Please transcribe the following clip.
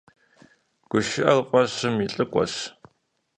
ГушыӀэр фӀэщым и лӀыкӀуэщ.